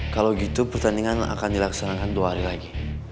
kalau gitu pertandingan akan dilaksanakan dua hari lagi